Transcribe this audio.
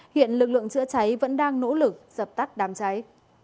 hiện lực lượng chữa cháy vẫn đang nỗ lực dập tắt đám cháy